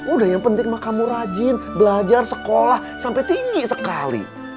udah yang penting kamu rajin belajar sekolah sampai tinggi sekali